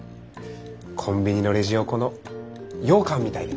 コンビニのレジ横の羊羹みたいで。